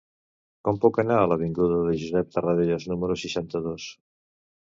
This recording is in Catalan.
Com puc anar a l'avinguda de Josep Tarradellas número seixanta-dos?